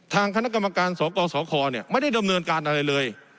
ทางคณะกรรมการสกสคไม่ได้ดำเนินการอะไรเลย